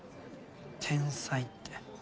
天才って。